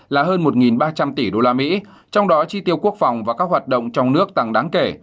là hơn một ba trăm linh tỷ usd trong đó chi tiêu quốc phòng và các hoạt động trong nước tăng đáng kể